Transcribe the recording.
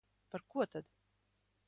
Par ko tad?